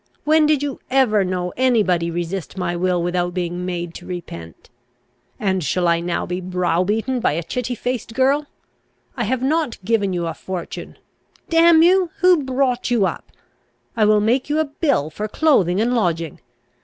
When did you ever know any body resist my will without being made to repent? And shall I now be browbeaten by a chitty faced girl? I have not given you a fortune! Damn you! who brought you up? I will make you a bill for clothing and lodging.